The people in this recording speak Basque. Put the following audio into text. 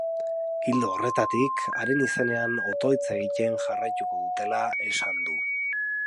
Ildo horretatik, haren izenean otoitz egiten jarraituko dutela esan du.